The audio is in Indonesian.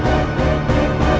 ada pada jadinya sekarang